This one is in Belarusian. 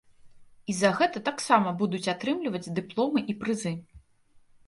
І за гэта таксама будуць атрымліваць дыпломы і прызы.